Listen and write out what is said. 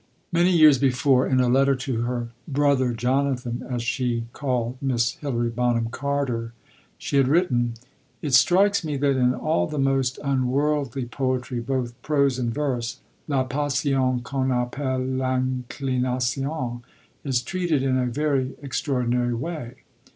Many years before, in a letter to her "brother Jonathan," as she called Miss Hilary Bonham Carter, she had written: It strikes me that in all the most unworldly poetry (both prose and verse) la passion qu'on appelle inclination is treated in a very extraordinary way.